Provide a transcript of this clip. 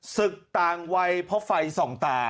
ศึกต่างวัยเพราะไฟส่องตา